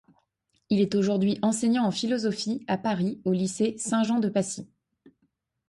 Il est aujourd'hui enseignant en philosophie à Paris au Lycée Saint Jean de Passy.